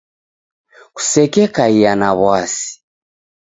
Kosekekaia na w'asi